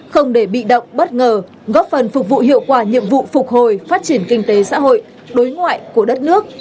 không để bị động bất ngờ góp phần phục vụ hiệu quả nhiệm vụ phục hồi phát triển kinh tế xã hội đối ngoại của đất nước